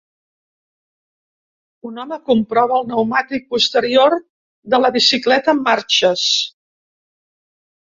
Un home comprova el pneumàtic posterior de la bicicleta amb marxes.